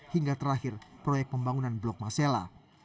hingga terakhir proyek pembangunan blok masela